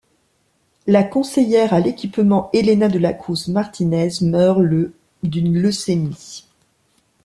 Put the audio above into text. La conseillère à l'Équipement, Elena de la Cruz Martínez meurt le d'une leucémie.